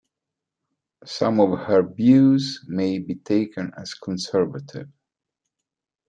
Some of her views may be taken as conservative.